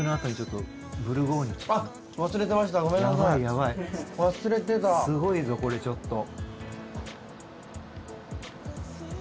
ヤバいすごいぞこれちょっと。